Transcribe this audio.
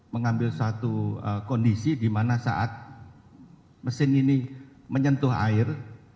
mengambil suatu kondisi di mana saat mesin ini menyentuh air